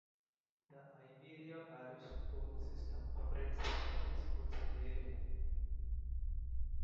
The Iberia Parish School System operates the public schools in the area.